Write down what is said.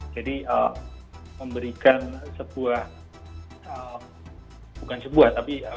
jadi memberikan sebuah bukan sebuah tapi